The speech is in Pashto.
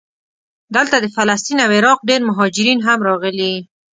دلته د فلسطین او عراق ډېر مهاجرین هم راغلي.